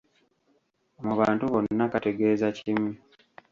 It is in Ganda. Mu bantu bonna kategeeza kimu.